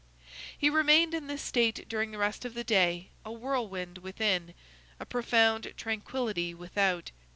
He remained in this state during the rest of the day, a whirlwind within, a profound tranquillity without.